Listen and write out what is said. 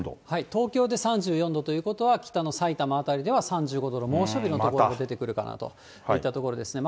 東京で３４度ということは、北のさいたま辺りでは３５度の猛暑日の所が出てくるかなといったところですね。